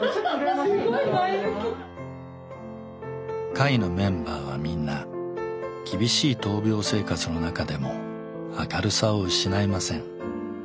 会のメンバーはみんな厳しい闘病生活の中でも明るさを失いません。